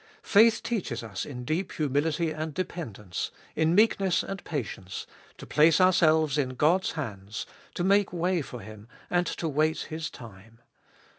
Faith teaches us in deep humility and dependence, in meekness and patience, to place ourselves in God's hands, to make way for Him, and to wait His time.